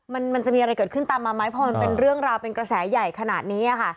มันมันจะมีอะไรเกิดขึ้นตามมาไหมพอมันเป็นเรื่องราวเป็นกระแสใหญ่ขนาดนี้